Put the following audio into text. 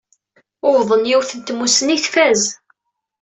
Wwḍen yiwet n tmussni tfaz.